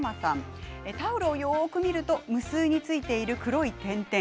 タオルをよく見ると無数についている黒い点々。